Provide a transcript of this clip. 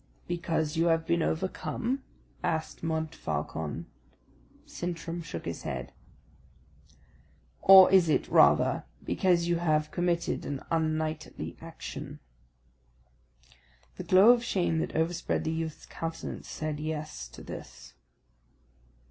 "Because you have been overcome?" asked Montfaucon. Sintram shook his head. "Or is it, rather, because you have committed an unknightly action?" The glow of shame that overspread the youth's countenance said yes to this.